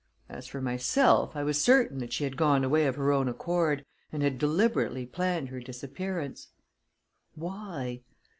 As for myself, I was certain that she had gone away of her own accord, and had deliberately planned her disappearance. Why?